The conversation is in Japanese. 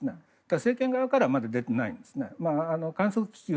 ただ、政権側からはまだ出ていないんですね。